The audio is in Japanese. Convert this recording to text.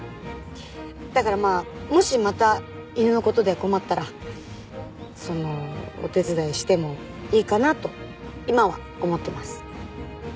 だからまあもしまた犬の事で困ったらそのお手伝いしてもいいかなと今は思ってます。